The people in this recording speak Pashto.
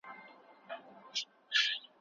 ځینې وختونه په شعرونو کي د ستورو یادونه سوي وي.